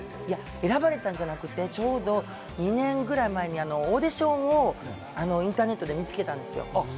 選ばれたんじゃなくて、ちょうど２年ぐらい前にオーディションをインターネットで見つけたんですよ。